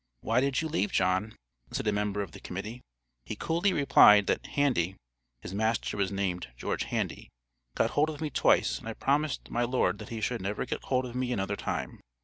"Why did you leave, John?" said a member of the Committee. He coolly replied that "Handy (his master was named George Handy) got hold of me twice, and I promised my Lord that he should never get hold of me another time."